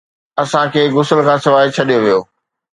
اسان کي غسل کان سواءِ ڇڏيو ويو.